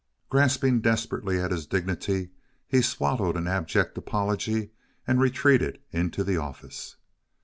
Grasping desperately at his dignity, he swallowed an abject apology and retreated into the office.